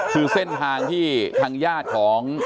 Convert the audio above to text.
คือเส้นทางที่ทางญาติของ